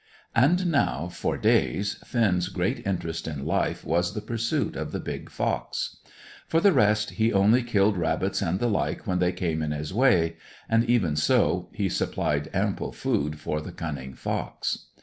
And now, for days, Finn's great interest in life was the pursuit of the big fox. For the rest, he only killed rabbits and the like when they came in his way; and, even so, he supplied ample food for the cunning fox.